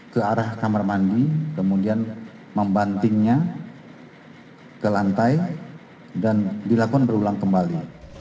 ke arah kamar mandi kemudian membantingnya ke lantai dan dilakukan berulang kembali